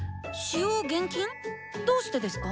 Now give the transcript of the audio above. どうしてですか？